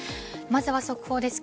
まずは速報です。